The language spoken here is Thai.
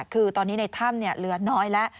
คือตอนนี้ในถ้ำเนี่ยเหลือน้อยละ